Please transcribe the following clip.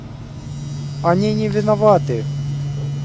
Они не виноваты.